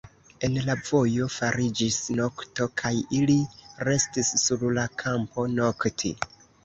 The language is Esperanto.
En la vojo fariĝis nokto, kaj ili restis sur la kampo nokti.